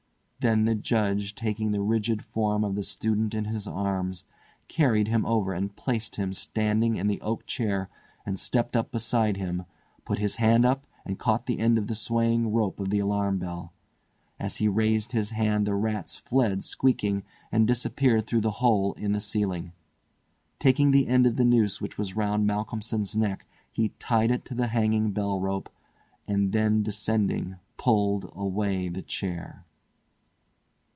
Then the Judge, taking the rigid form of the student in his arms, carried him over and placed him standing in the oak chair, and stepping up beside him, put his hand up and caught the end of the swaying rope of the alarm bell. As he raised his hand the rats fled squeaking, and disappeared through the hole in the ceiling. Taking the end of the noose which was round Malcolmson's neck he tied it to the hanging bell rope, and then descending pulled away the chair.